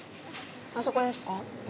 あそこですか？